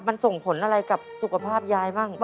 มันส่งผลอะไรกับสุขภาพยายบ้าง